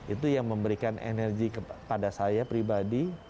itu yang memberikan energi kepada saya pribadi